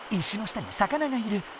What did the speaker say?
石の下に魚がいる。